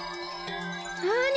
なに？